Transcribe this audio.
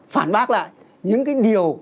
phản bác lại những cái điều